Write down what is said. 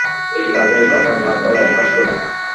তাদের কথা ভাববার অবকাশ কোথায়!